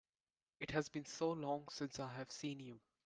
It has been so long since I have seen you!